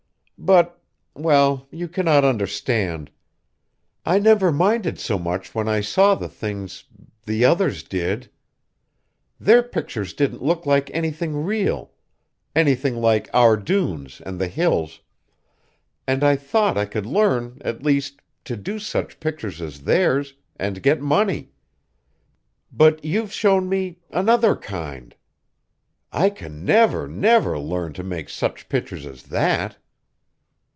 But, well, you cannot understand. I never minded so much when I saw the things the others did! Their pictures didn't look like anything real anything like our dunes and the Hills, and I thought I could learn, at least, to do such pictures as theirs, and get money! But you've shown me another kind! I can never, never learn to make such pictures as that!"